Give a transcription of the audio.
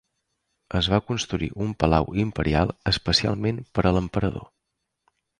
Es va construir un palau imperial especialment per a l'emperador.